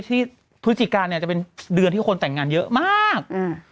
ทุชิกกาลเนี่ยจะเป็นเดือนที่คนและแต่งงานเยอะมาก